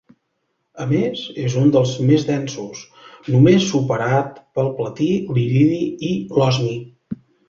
A més, és un dels més densos, només superat pel platí, l'iridi i l'osmi.